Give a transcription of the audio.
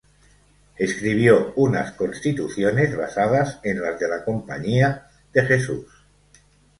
Escribió unas constituciones basadas en las de la Compañía de Jesús.